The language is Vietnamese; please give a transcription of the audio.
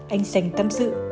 anh sành tâm sự